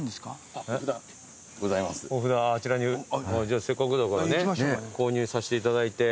じゃあせっかくだからね購入させていただいて。